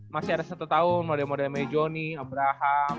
masih ada satu tahun modem modemnya johnny abraham